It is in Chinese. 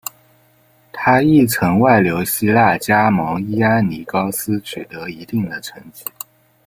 他亦曾外流希腊加盟伊安尼高斯取得一定的成绩。